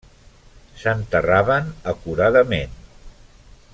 S'enterraven acuradament.